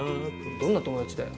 どんな友達だよ。